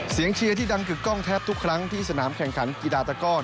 เชียร์ที่ดังกึกกล้องแทบทุกครั้งที่สนามแข่งขันกีฬาตะก้อน